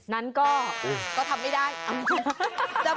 แฟนก็ทำไม่ได้